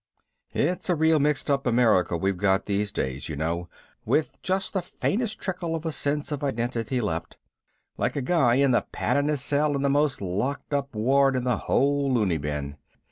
It's a real mixed up America we've got these days, you know, with just the faintest trickle of a sense of identity left, like a guy in the paddedest cell in the most locked up ward in the whole loony bin.